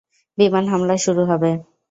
বিমান হামলা শুরু হবে।